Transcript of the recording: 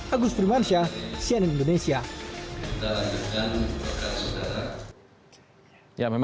agus primansyah cnn indonesia